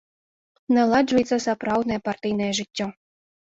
Наладжваецца сапраўднае партыйнае жыццё.